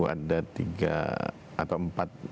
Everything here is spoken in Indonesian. ada tiga atau empat